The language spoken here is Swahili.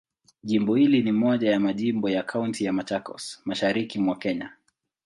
Jimbo hili ni moja ya majimbo ya Kaunti ya Machakos, Mashariki mwa Kenya.